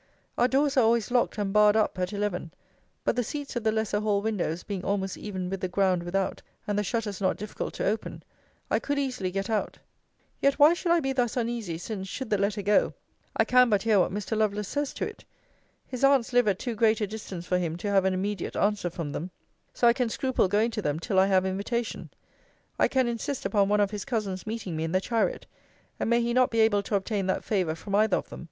Our doors are always locked and barred up at eleven; but the seats of the lesser hall windows being almost even with the ground without, and the shutters not difficult to open, I could easily get out. Yet why should I be thus uneasy, since, should the letter go, I can but hear what Mr. Lovelace says to it? His aunts live at too great a distance for him to have an immediate answer from them; so I can scruple going to them till I have invitation. I can insist upon one of his cousins meeting me in the chariot; and may he not be able to obtain that favour from either of them.